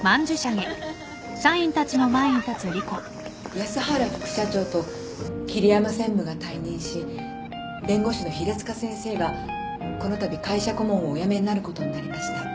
安原副社長と桐山専務が退任し弁護士の平塚先生がこのたび会社顧問をお辞めになることになりました。